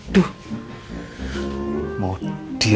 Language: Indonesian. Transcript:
kursi keras lagi ya